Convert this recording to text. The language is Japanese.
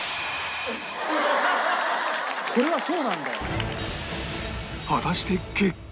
これはそうなんだよ。